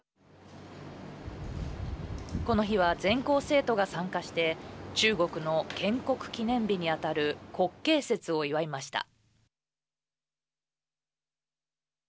この日は、全校生徒が参加して中国の建国記念日に当たる国慶節を祝いました。